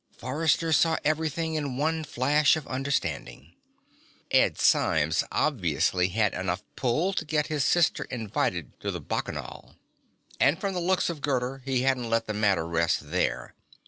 Forrester saw everything in one flash of understanding. Ed Symes obviously had enough pull to get his sister invited to the Bacchanal. And from the looks of Gerda, he hadn't let the matter rest there.